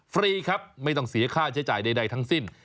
ฟรีครับไม่ต้องเสียค่าใช้จ่ายใดทั้งสิ้น